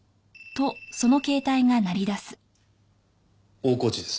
大河内です。